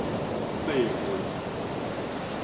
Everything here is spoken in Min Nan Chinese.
世運